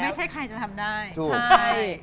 ไม่ใช่ใครจะทำได้ใช่